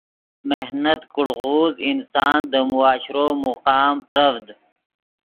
محنت کڑغوز انسان دے معاشرو مقام پرڤد